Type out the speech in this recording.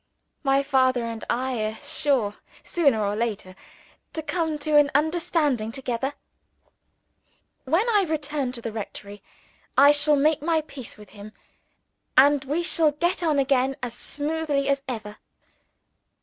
My father and I are sure, sooner or later, to come to an understanding together. When I return to the rectory, I shall make my peace with him, and we shall get on again as smoothly as ever.